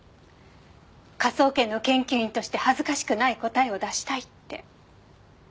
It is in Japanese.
「科捜研の研究員として恥ずかしくない答えを出したい」って。